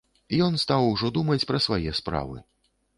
Ён стаў ужо думаць пра свае справы.